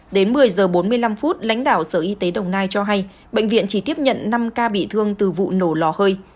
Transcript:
đến một mươi giờ bốn mươi năm phút lãnh đạo sở y tế đồng nai cho hay bệnh viện chỉ tiếp nhận năm ca bị thương từ vụ nổ lò hơi